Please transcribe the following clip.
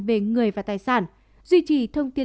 về người và tài sản duy trì thông tin